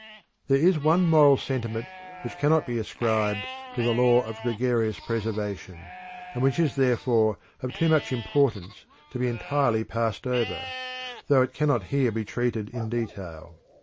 There is one moral sentiment which cannot be ascribed to the law of gregarious preservation, and which is therefore of too much importance to be entirely passed over, though it cannot here be treated in detail.